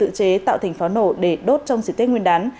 tự chế tạo thành pháo nổ để đốt trong sự tiết nguyên đán